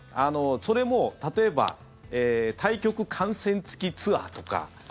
それも例えば対局観戦付きツアーとか。